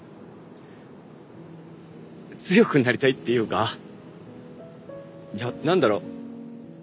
強くなりたいっていうかや何だろう。